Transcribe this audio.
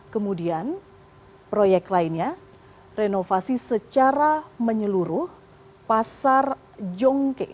kemudian proyek lainnya renovasi secara menyeluruh pasar jongke